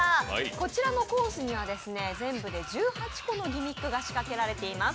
こちらのコースには全部で１８個のギミックが仕掛けられています。